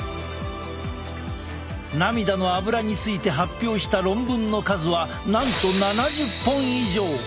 涙のアブラについて発表した論文の数はなんと７０本以上！